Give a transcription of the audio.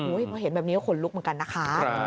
อุ้ยเพราะเห็นแบบนี้ก็ขนลุกเหมือนกันนะคะ